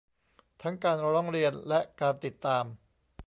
ทั้งการร้องเรียนและ การติดตาม